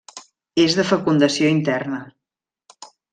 És de fecundació interna.